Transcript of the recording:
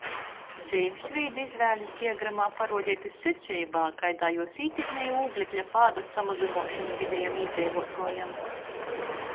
Dzeivis veida izvēlis diagramā paruodeitys seceibā, kaidā juos ītekmej ūglekļa pāda samazynuošonu videjam īdzeivuotuojam.